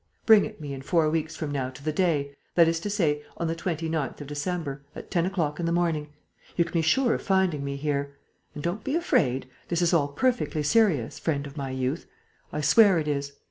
Bring it me in four weeks from now to the day, that is to say, on the 29th of December, at ten o'clock in the morning. You can be sure of finding me here. And don't be afraid: this is all perfectly serious, friend of my youth; I swear it is.